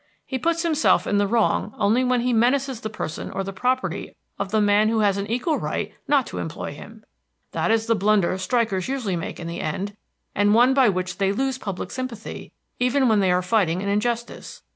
He puts himself in the wrong only when he menaces the person or the property of the man who has an equal right not to employ him. That is the blunder strikers usually make in the end, and one by which they lose public sympathy even when they are fighting an injustice.